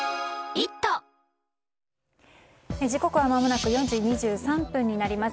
時刻はまもなく４時２３分になります。